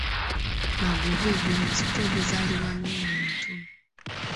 Magobwe gwe musota oguzaalibwa n’omuntu.